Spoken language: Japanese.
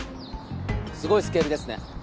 すごいスケールですね。